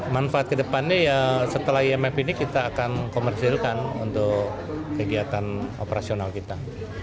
manfaat ke depannya setelah imf ini kita akan komersilkan untuk kegiatan operasionalnya